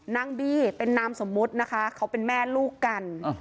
นางบี้เป็นนามสมมุตินะคะเขาเป็นแม่ลูกกัน